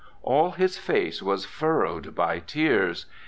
All his face was furrowed by tears.